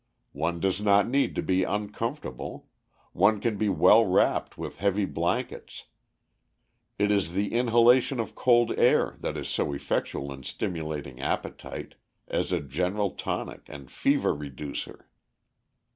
One does not need to be uncomfortable; one can be well wrapped with heavy blankets. It is the inhalation of cold air that is so effectual in stimulating appetite, as a general tonic and fever reducer.